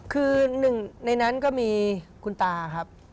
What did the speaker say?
คือหนึ่งในนั้นก็มีคุณตาครับ